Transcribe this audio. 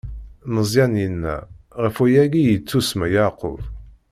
Meẓyan yenna: Ɣef wayagi i yettusemma Yeɛqub!